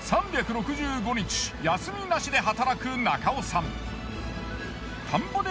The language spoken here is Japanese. ３６５日休みなしで働く中尾さん。